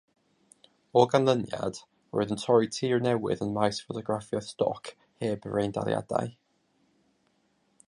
O ganlyniad, roedd yn torri tir newydd ym maes ffotograffiaeth stoc heb freindaliadau.